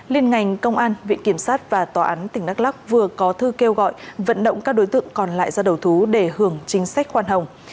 liên ngành công an viện kiểm sát và tòa án tỉnh đắk lắc vừa có thư kêu gọi vận động các đối tượng còn lại ra đầu thú để hưởng chính sách khoan hồng